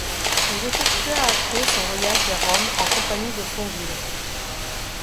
Il effectua à pied son voyage vers Rome en compagnie de Fonville.